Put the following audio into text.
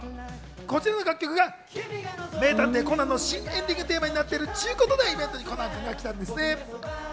こちらの楽曲が『名探偵コナン』の新エンディングテーマになってるっていうことで、イベントにコナン君も来たんですね。